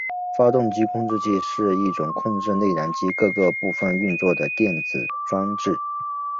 发动机控制器是一种控制内燃机各个部分运作的电子装置。